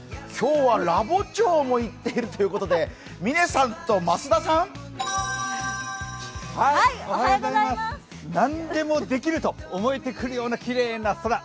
今日はラボ長も行っているということで嶺さんと増田さん。何でもできると思えてくるようなきれいな空。